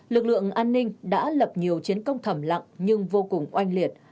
lực lượng an ninh đã lập nhiều chiến công thầm lặng nhưng vô cùng oanh liệt